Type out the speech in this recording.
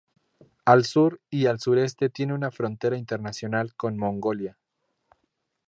Al sur y al sureste tiene una frontera internacional con Mongolia.